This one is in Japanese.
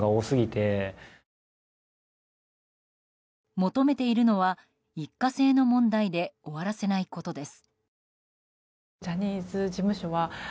求めているのは一過性の問題で終わらせないことです。